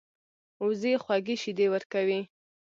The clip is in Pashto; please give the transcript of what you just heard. وزې خوږې شیدې ورکوي